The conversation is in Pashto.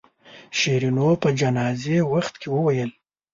شیرینو په جنازې وخت کې وویل.